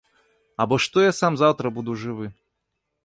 Або што я сам заўтра буду жывы?